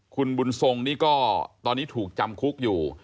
คุณบุญทรงนี่ก็ตอนนี้ถูกจำคุกอยู่